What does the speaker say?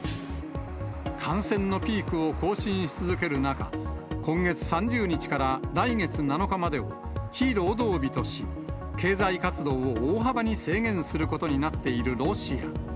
感染のピークを更新し続ける中、今月３０日から来月７日までを非労働日とし、経済活動を大幅に制限することになっているロシア。